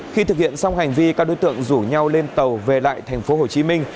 khi thực hiện xong hành vi các đối tượng rủ nhau lên tàu về lại thành phố hồ chí minh